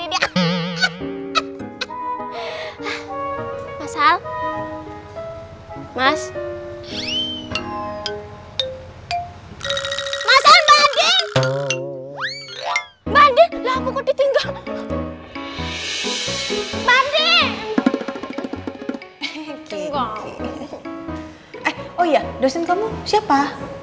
mas al mas mas al bandit bandit lama kok ditinggal bandit oh iya dosen kamu siapa